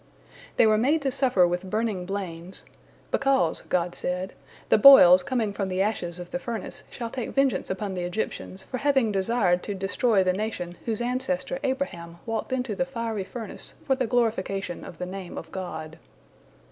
They were made to suffer with burning blains, "because," God said, "the boils coming from the ashes of the furnace shall take vengeance upon the Egyptians for having desired to destroy the nation whose ancestor Abraham walked into the fiery furnace for the glorification of the Name of God."